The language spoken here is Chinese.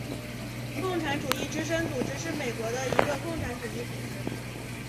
共产主义之声组织是美国的一个共产主义组织。